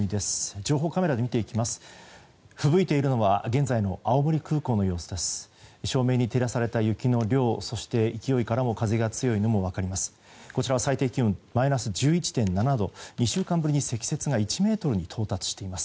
情報カメラで見ていきます。